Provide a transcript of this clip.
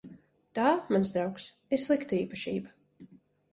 Tā, mans draugs, ir slikta īpašība.